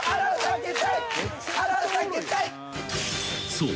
［そう。